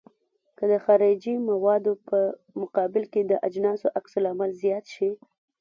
که د خارجي موادو په مقابل کې د انساجو عکس العمل زیات شي.